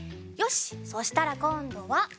しっそしたらこんどは。